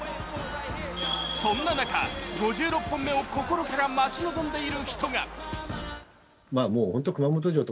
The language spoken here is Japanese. そんな中、５６本目を心から待ち望んでいる人が。